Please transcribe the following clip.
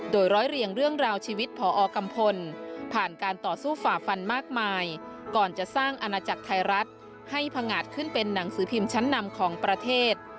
โดยร้อยเรียงเรื่องราวชีวิตพอกัมพลผ่านการต่อสู้ฝ่าฟันมากมายก่อนจะสร้างอาณาจักรไทยรัฐให้พังงาดขึ้นเป็นหนังสือพิมพ์ชั้นนำของประเทศ